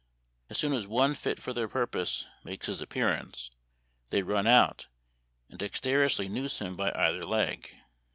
As soon as one fit for their purpose makes his appearance they run out and dexterously noose him by either leg.